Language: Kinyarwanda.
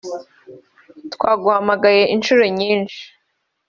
Twaguhamagaye inshuro nyinshi